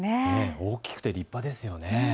大きくて立派ですよね。